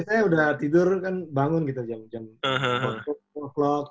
saya udah tidur kan bangun gitu jam empat o clock empat tiga puluh